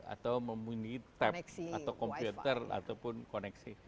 atau memiliki tab atau komputer ataupun koneksi